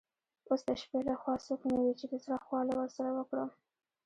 اوس د شپې له خوا څوک نه وي چي د زړه خواله ورسره وکړم.